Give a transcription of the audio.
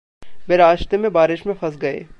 वे रास्ते में बारिश में फँस गए।